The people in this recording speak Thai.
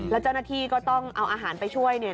แล้วเจ้าหน้าที่ก็ต้องเอาอาหารไปช่วยเนี่ย